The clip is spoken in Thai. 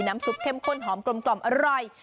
น้ำซุปเข้มข้นหอมกลมกล่อมอร่อย